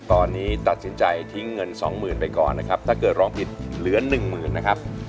ตอนนี้ตัดสินใจทิ้งเงินสองหมื่นไปก่อนนะครับถ้าเกิดร้องผิดเหลือหนึ่งหมื่นนะครับ